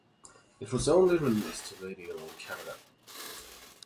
It was only released to radio in Canada.